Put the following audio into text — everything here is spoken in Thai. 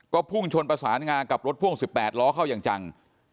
ก็พุ่งชนประสานงากับรถพ่วง๑๘ล้อเข้าอย่างจัง